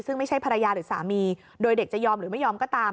ซึ่งไม่ใช่ภรรยาหรือสามีโดยเด็กจะยอมหรือไม่ยอมก็ตาม